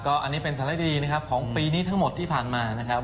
อันนี้เป็นสารดีนะครับของปีนี้ทั้งหมดที่ผ่านมานะครับ